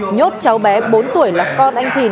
nhốt cháu bé bốn tuổi lọc con anh thìn